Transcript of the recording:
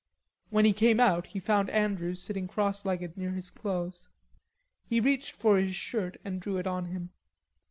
When he came out, he found Andrews sitting cross legged near his clothes. He reached for his shirt and drew it on him.